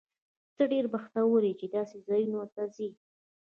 ته ډېر بختور یې، چې داسې ځایونو ته ځې.